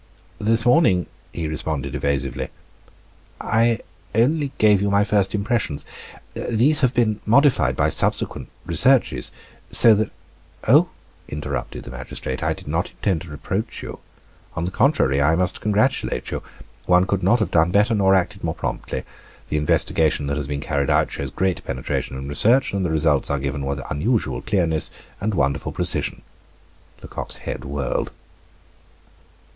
"This morning," he responded evasively, "I only gave you my first impressions. These have been modified by subsequent researches, so that " "Oh!" interrupted the magistrate, "I did not intend to reproach you; on the contrary, I must congratulate you. One could not have done better nor acted more promptly. The investigation that has been carried out shows great penetration and research, and the results are given with unusual clearness, and wonderful precision." Lecoq's head whirled.